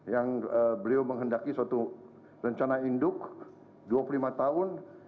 yang beliau menghendaki suatu rencana induk dua puluh lima tahun